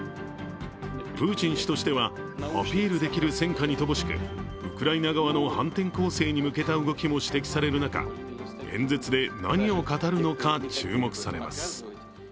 プーチン氏としてはアピールできる戦果に乏しくウクライナ側の反転攻勢に向けた動きも指摘される中、演説で何を語るのか注目されます。